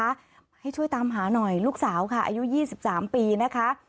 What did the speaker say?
ให้ช่วยตามหาหน่อยลูกสาวค่ะอายุ๒๓ปีนะคะ